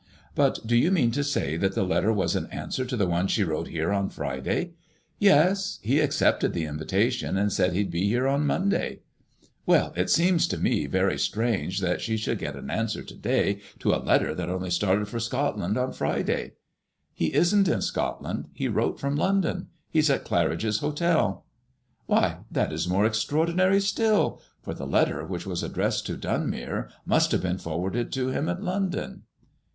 But do you mean to say that letter was an answer to the one she wrote here on Friday ?" "Yes. He accepted the in vitation, and said he'd be here on Monday." MADEMOISELLE IXB. lOI "Well, it seems to me very strange that she should get an answer to day to a letter that only started for Scotland on Friday." "He isn't in Scotland. He wrote from London. He*8 at Claridge's Hotel." " Why, that is more extraor dinary still ; for the letter which was addressed to Dunmere must have been forwarded to him in London."